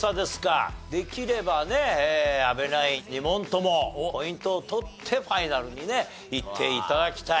できればね阿部ナイン２問ともポイントを取ってファイナルにね行って頂きたい。